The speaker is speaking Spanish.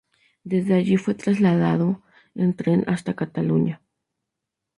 Desde allí fue trasladado en tren hasta Cataluña.